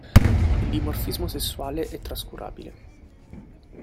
Il dimorfismo sessuale è trascurabile.